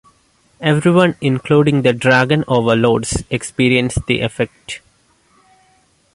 Everyone, including the Dragon Overlords, experience the effect.